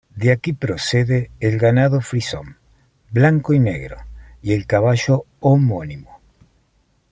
De aquí procede el ganado frisón, blanco y negro, y el caballo homónimo.